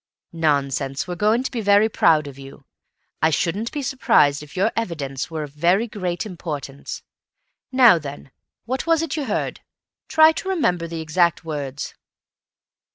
"Nonsense, we're going to be very proud of you. I shouldn't be surprised if your evidence were of very great importance. Now then, what was it you heard? Try to remember the exact words."